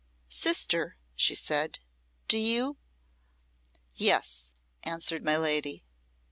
"Sister," she said, "do you " "Yes," answered my lady.